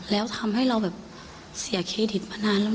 แล้วทำให้เราแบบเสียเครดิตมานานแล้ว